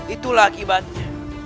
itu lah akibatnya